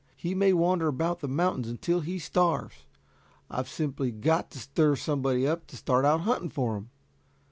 He may wander about the mountains until he starves. I've simply got to stir somebody up to start out hunting for him.